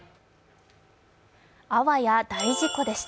あやわ大事故でした。